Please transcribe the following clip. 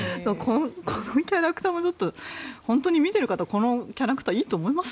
このキャラクターも本当に見ている方このキャラクターいいと思います？